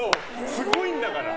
すごいんだから！